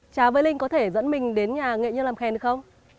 trá với linh có thể dẫn mình đến nhà nghệ nhân làm khen hay không